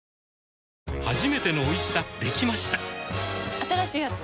新しいやつ？